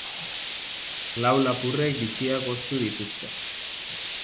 Lau lapurrek bitxiak ostu dituzte.